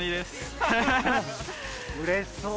うれしそう。